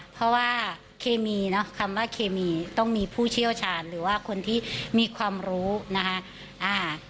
เพราะว่าเคมีเนอะคำว่าเคมีต้องมีผู้เชี่ยวชาญหรือว่าคนที่มีความรู้นะคะ